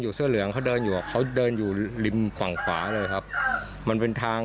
ก็เหมือนคัม่คอเขาเสียใจเหมือนกันน่ะ